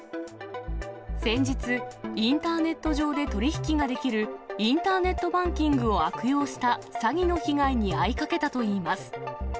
先日、インターネット上で取り引きができるインターネットバンキングを悪用した詐欺の被害に遭いかけたといいます。